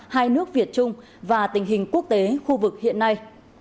hai nước việt trung và tình hình quốc tế khu vực hiện nay